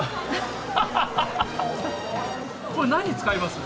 これ、何に使います？